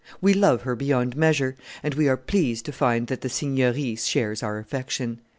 We love her beyond measure, and we are pleased to find that the Signiory shares our affection."